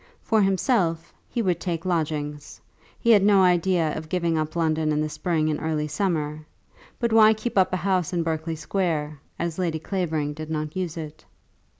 For himself, he would take lodgings. He had no idea of giving up London in the spring and early summer. But why keep up a house in Berkeley Square, as Lady Clavering did not use it?